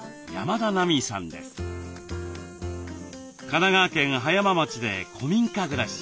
神奈川県葉山町で古民家暮らし。